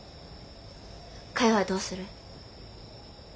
かよはどうする？